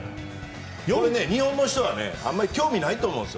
日本の人はあんまり興味ないと思うんですよ。